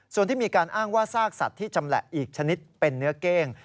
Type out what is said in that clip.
ส่วนที่มีการอ้างว่าซากสัตว์ที่ชำแหละอีกชนิดเป็นเนื้อเก้ง